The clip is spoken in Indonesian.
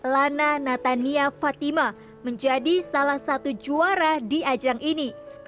lana natania fatima menjadi salah satu juara di ajang ini